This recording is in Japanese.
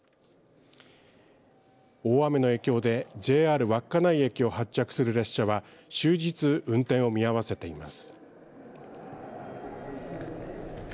大雨の影響でＪＲ稚内駅を発着する列車は終日運転を見合わせています。